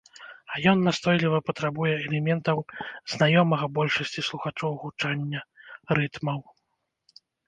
А ён настойліва патрабуе элементаў знаёмага большасці слухачоў гучання, рытмаў.